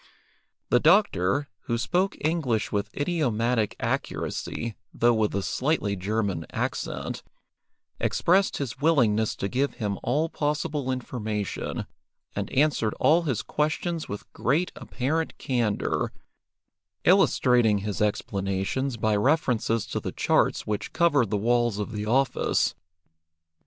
The doctor, who spoke English with idiomatic accuracy, though with a slightly German accent, expressed his willingness to give him all possible information, and answered all his questions with great apparent candour, illustrating his explanations by references to the charts which covered the walls of the office.